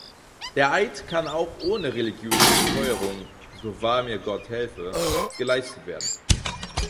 Der Eid kann auch ohne religiöse Beteuerung („So wahr mir Gott helfe“) geleistet werden.